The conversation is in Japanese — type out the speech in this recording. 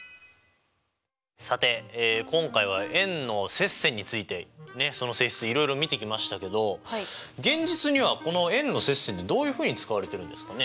さて今回は円の接線についてその性質いろいろ見てきましたけど現実にはこの円の接線ってどういうふうに使われてるんですかね？